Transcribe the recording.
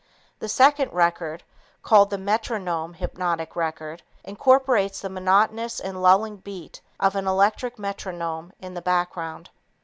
The second record, called the Metronome Hypnotic Record, incorporates the monotonous and lulling beat of an electric metronome in the background.